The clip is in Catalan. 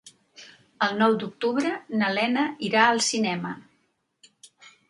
El nou d'octubre na Lena irà al cinema.